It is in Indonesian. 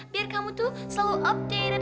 biar kamu tuh selalu update